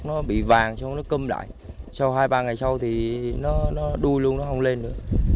nó bị vàng xong nó cơm lại sau hai ba ngày sau thì nó đuôi luôn nó không lên nữa